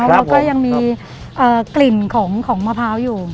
แล้วก็ยังมีกลิ่นของมะพร้าวอยู่